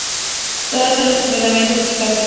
Todas son extremadamente escasas.